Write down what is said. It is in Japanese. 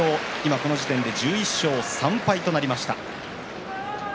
この時点で１１勝３敗となりました。